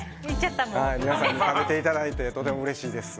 皆さんに食べていただいてとてもうれしいです。